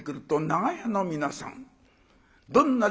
「長屋の皆さん